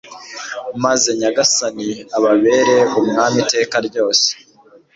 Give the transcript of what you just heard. maze nyagasani ababere umwami iteka ryose